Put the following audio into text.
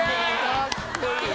かっこいい！